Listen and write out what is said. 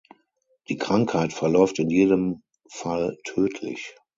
Die Krankheit verläuft in jedem Fall tödlich.